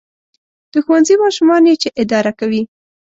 • د ښوونځي ماشومان یې چې اداره کوي.